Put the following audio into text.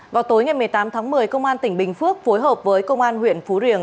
vào tối ngày một mươi tám tháng một mươi công an tỉnh bình phước phối hợp với công an huyện phú riềng